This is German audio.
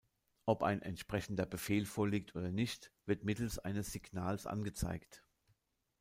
Ob ein entsprechender Befehl vorliegt oder nicht, wird mittels eines Signals angezeigt.